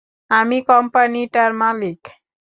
আমি কোম্পানিটার মালিক।